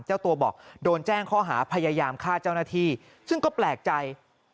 เจ้าตัวบอกโดนแจ้งข้อหาพยายามฆ่าเจ้าหน้าที่ซึ่งก็แปลกใจ